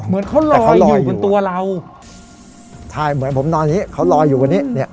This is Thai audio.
เหมือนเขาลอยอยู่บนตัวเราใช่เหมือนผมนอนอย่างงี้เขาลอยอยู่บนนี้เนี่ย